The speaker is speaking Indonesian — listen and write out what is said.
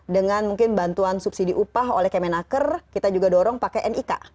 dengan mungkin bantuan subsidi upah oleh kemenaker kita juga dorong pakai nik